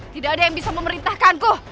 tidak ada yang bisa memerintahkanku